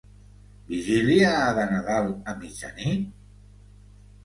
Vigília de Nadal a mitjanit?